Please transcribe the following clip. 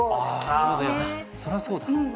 そりゃそうだ。